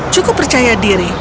cukup percaya diri